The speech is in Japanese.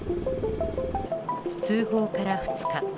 通報から２日。